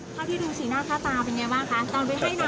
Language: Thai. พอที่ดูสีหน้าข้าตาเป็นอย่างไรบ้างค่ะ